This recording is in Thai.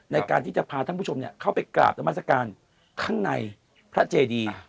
ในการที่จะพาท่านผู้ชมเข้าไปกราบนามัศกาลข้างในพระเจดี